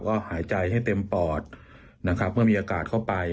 ก็หายใจให้เต็มปอดนะครับเมื่อมีอากาศเข้าไป